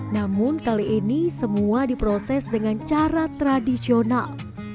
namun kali ini semua diproses dengan cara tradisional